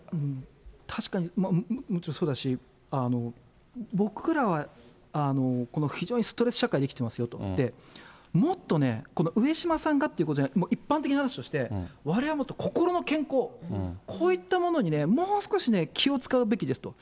確かに、もちろんそうだし、僕らは非常にストレス社会で生きてますよと、もっとね、この上島さんがっていうことじゃなくて、一般的な話として、われわれはもっと心の健康、こういったものにね、もう少し気を遣うべきですと。